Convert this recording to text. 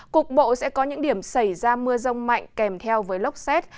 cục bộ sẽ có những điểm xảy ra mưa rông mạnh kèm theo với lốc xét